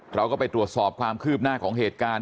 เราก็ไปตรวจสอบความคืบหน้าของเหตุการณ์